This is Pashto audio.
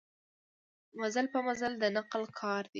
مزل پر مزل د نقل کار دی.